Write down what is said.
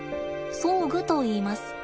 装具といいます。